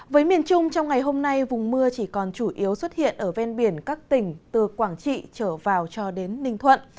với miền trung trong ngày hôm nay vùng mưa chỉ còn chủ yếu xuất hiện ở ven biển các tỉnh từ quảng trị trở vào cho đến ninh thuận